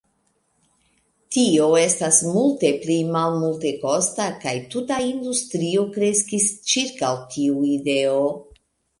Tio estas multe pli malmultekosta, kaj tuta industrio kreskis ĉirkaŭ tiu ideo.